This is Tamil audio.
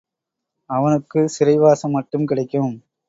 அவனுக்குச் சிறைவாசம் மட்டும் கிடைக்கும்.